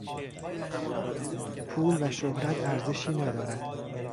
پول و شهرت ارزشی ندارد.